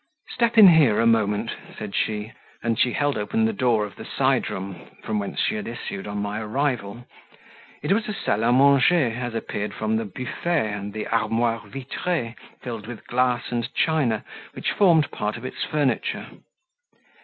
"Step in here a moment," said she, and she held open the door of the side room from whence she had issued on my arrival; it was a SALLE A MANGER, as appeared from the beaufet and the armoire vitree, filled with glass and china, which formed part of its furniture.